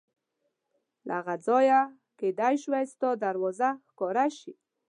له هغه ځایه کېدای شوه ستا دروازه ښکاره شي.